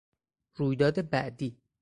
رویداد بعدی